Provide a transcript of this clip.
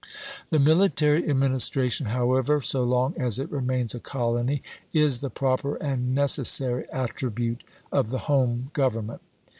The military administration, however, so long as it remains a colony, is the proper and necessary attribute of the home government.